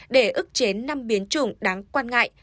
để ức chế năm biến chủng đáng quan ngại